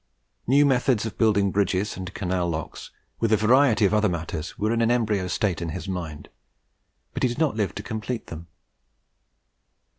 New methods of building bridges and canal locks, with a variety of other matters, were in an embryo state in his mind, but he did not live to complete them.